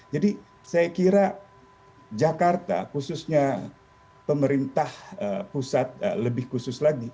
jadi saya kira jakarta khususnya pemerintah pusat lebih khusus lagi